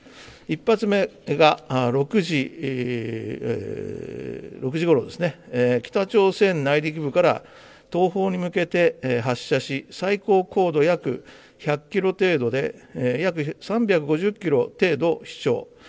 １発目が６時ごろですね、北朝鮮内陸部から東方に向けて発射し、最高高度約１００キロ程度で、約３５０キロ程度飛しょう。